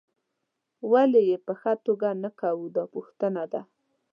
ولې یې په ښه توګه نه کوو دا پوښتنه ده.